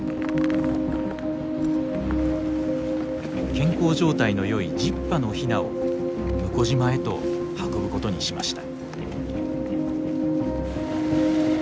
健康状態の良い１０羽のヒナを聟島へと運ぶことにしました。